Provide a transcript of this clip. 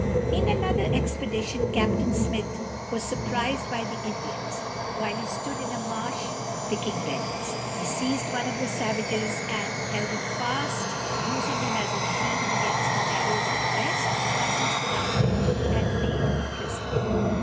In another expedition Captain Smith was surprised by the Indians while he stood in a marsh, picking berries. He seized one of the savages and held him fast, using him as a shield against the arrows of the rest until surrounded and made a prisoner.